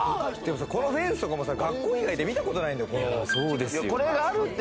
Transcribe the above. このフェンスも学校以外で見たことないよ。